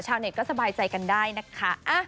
ชาวเน็ตก็สบายใจกันได้นะคะ